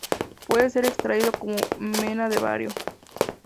Puede ser extraído como mena de bario.